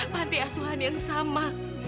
pantai asuhan yang sama